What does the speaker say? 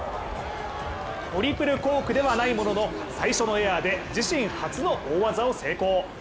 トリプルコークではないものの最初のエアで自身初の大技を成功。